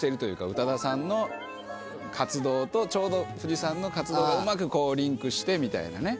宇多田さんの活動とちょうど藤さんの活動がうまくリンクしてみたいなね。